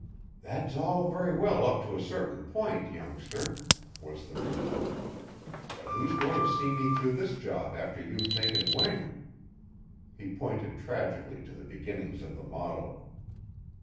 "That's all very well up to a certain point, youngster," was the retort. "But who's goin' to see me through this job after you've taken wing?" He pointed tragically to the beginnings of the model.